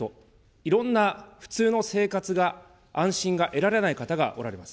いろんな普通の生活が安心が得られない方がおられます。